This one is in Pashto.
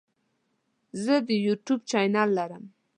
زه د یوټیوب چینل لرم.